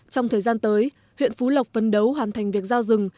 trong thời gian tới huyện phú lộc phân đấu hoàn thành việc giao rừng